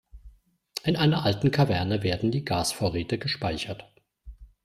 In einer alten Kaverne werden die Gasvorräte gespeichert.